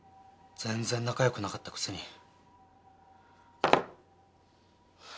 全然仲よくなかったくせに。